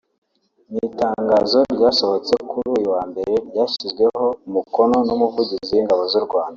Mu itangazo ryasohotse kuri uyu wa mbere ryashyizweho umukono n’umuvuguzi w’ingabo z’u Rwanda